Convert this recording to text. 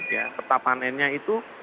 ya peta panennya itu